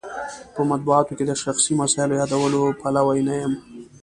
په مطبوعاتو کې د شخصي مسایلو یادولو پلوی نه یم.